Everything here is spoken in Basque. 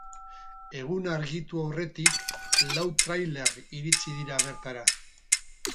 Egun argitu aurretik lau trailer iritsi dira bertara.